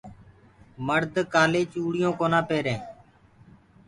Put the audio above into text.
مڙد ڪآلي چوڙيونٚ ڪونآ پيري